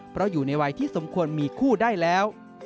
เพราะอยู่ในวัยที่สมควรมีคู่ได้แล้ว